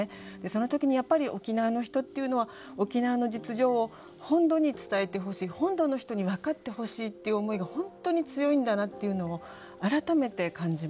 その時にやっぱり沖縄の人っていうのは沖縄の実情を本土に伝えてほしい本土の人に分かってほしいっていう思いが本当に強いんだなっていうのを改めて感じました。